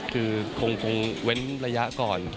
คือคงเว้นระยะก่อน